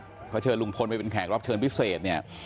เขาเชิญลุงพลไปเป็นแขกรับเชิญพิเศษเนี่ย